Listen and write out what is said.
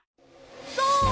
そう！